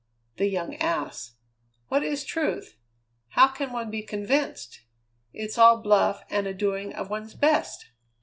The young ass! What is truth? How can one be convinced? It's all bluff and a doing of one's best!"